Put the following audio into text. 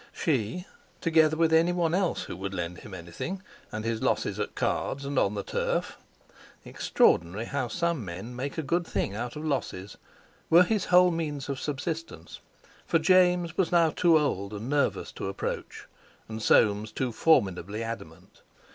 She, together with anyone else who would lend him anything, and his losses at cards and on the turf (extraordinary how some men make a good thing out of losses!) were his whole means of subsistence; for James was now too old and nervous to approach, and Soames too formidably adamant.